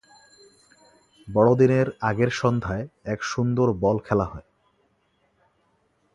বড়দিনের আগের সন্ধ্যায় এক সুন্দর বল খেলা হয়।